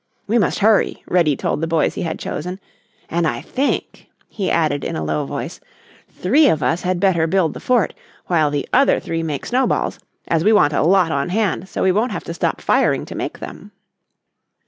"We must hurry," Reddy told the boys he had chosen, "and I think," he added in a low voice, "three of us had better build the fort while the other three make snowballs, as we want a lot on hand so we wont have to stop firing to make them.